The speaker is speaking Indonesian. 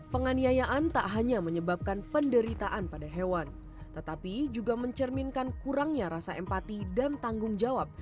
penganiayaan tak hanya menyebabkan penderitaan pada hewan tetapi juga mencerminkan kurangnya rasa empati dan tanggung jawab